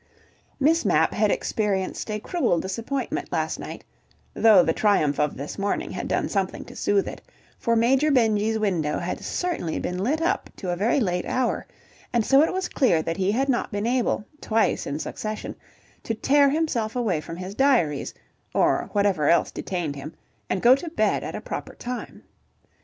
Miss Mapp had experienced a cruel disappointment last night, though the triumph of this morning had done something to soothe it, for Major Benjy's window had certainly been lit up to a very late hour, and so it was clear that he had not been able, twice in succession, to tear himself away from his diaries, or whatever else detained him, and go to bed at a proper time.